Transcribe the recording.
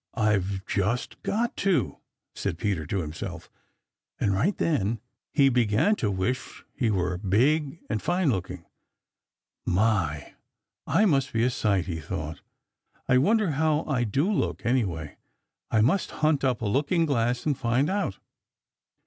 I've just got to!" said Peter to himself, and right then he began to wish that he were big and fine looking. "My, I must be a sight!" he thought, "I wonder how I do look, anyway. I must hunt up a looking glass and find out."